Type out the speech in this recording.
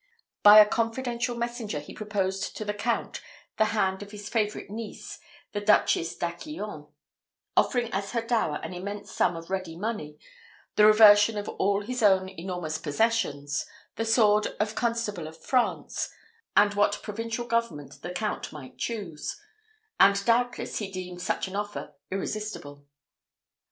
By a confidential messenger he proposed to the Count the hand of his favourite niece, the Duchess d'Aquillon, offering as her dower an immense sum of ready money, the reversion of all his own enormous possessions, the sword of Constable of France, and what provincial government the Count might choose; and doubtless he deemed such an offer irresistible.